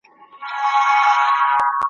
چي مېړه وي هغه تل پر یو قرار وي !.